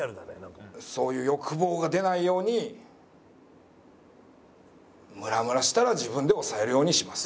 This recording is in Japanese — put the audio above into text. そういう欲望が出ないようにムラムラしたら自分で抑えるようにします。